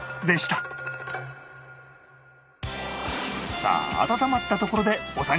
さあ温まったところでお三方